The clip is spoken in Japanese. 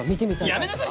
やめなさい！